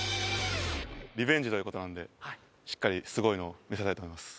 リベンジという事なんでしっかりすごいのを見せたいと思います。